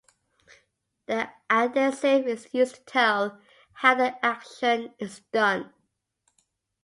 The adessive is used to tell how the action is done.